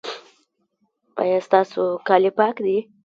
ایا ستاسو کالي پاک دي؟